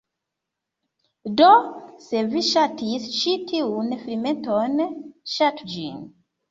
Do, se vi ŝatis ĉi tiun filmeton, ŝatu ĝin